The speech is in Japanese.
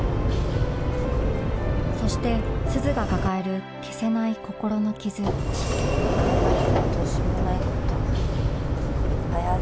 そして鈴が抱える消せない心の傷頑張ってもどうしようもない事いっぱいあるよね。